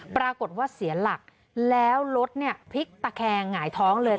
ปรากฏว่าเสียหลักแล้วรถเนี่ยพลิกตะแคงหงายท้องเลย